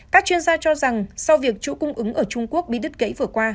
các chuyên gia cho rằng sau việc chuỗi cung ứng ở trung quốc bị đứt gãy vừa qua